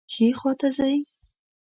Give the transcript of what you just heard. ښي خواته ځئ